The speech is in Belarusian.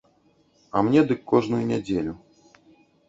А мне дык кожную нядзелю.